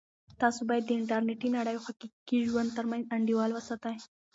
تاسو باید د انټرنیټي نړۍ او حقیقي ژوند ترمنځ انډول وساتئ.